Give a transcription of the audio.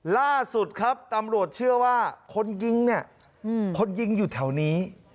ล่าสุดครับตำรวจเชื่อว่าคนยิงเนี่ยคนยิงอยู่แถวนี้